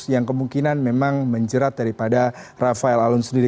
yang kemungkinan memang menjerat daripada rafael alun sendiri